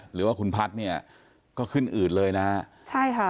หรือว่าคุณพัฒน์เนี่ยก็ขึ้นอืดเลยนะฮะใช่ค่ะ